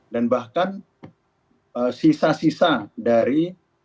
bahkan sisa sisa dari